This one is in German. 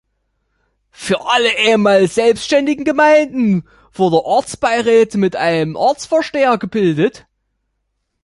Für alle ehemals selbstständigen Gemeinden wurde Ortsbeiräte mit einem Ortsvorsteher gebildet.